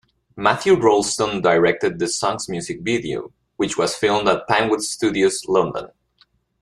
Matthew Rolston directed the song's music video, which was filmed at Pinewood Studios, London.